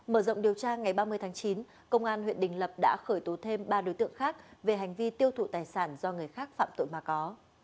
mở rộng điều tra ngày ba mươi tháng chín công an huyện đình lập đã khởi tố thêm ba đối tượng khác về hành vi tiêu thụ tài sản do người khác phạm tội mà có